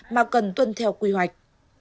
mà cần tuân theo quy hoạch